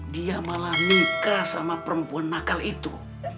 dia malah nikah sama perempuan nakal itu